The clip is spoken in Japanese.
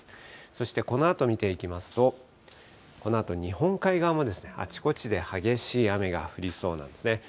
そして、このあと見ていきますと、このあと、日本海側もあちこちで激しい雨が降りそうなんですね。